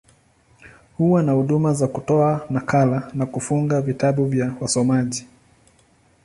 Huwa na huduma za kutoa nakala, na kufunga vitabu kwa wasomaji.